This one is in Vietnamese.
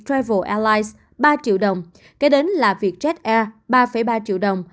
travel allies ba triệu đồng kế đến là việc jet air ba ba triệu đồng